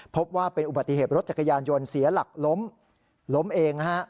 พบว่าเป็นอุบัติเหตุรถจักรยานยนต์เสียหลักล้มล้มเองนะฮะ